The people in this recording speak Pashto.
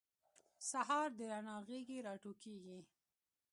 سهار د رڼا له غیږې راټوکېږي.